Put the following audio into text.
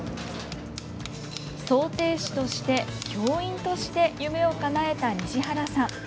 装蹄師として、教員として夢をかなえた西原さん。